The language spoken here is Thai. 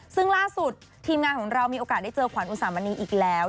ซึ่งล่าสุดทีมงานของเรามีโอกาสได้เจอขวัญอุสามณีอีกแล้ว